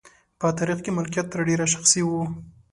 په تاریخ کې مالکیت تر ډېره شخصي و.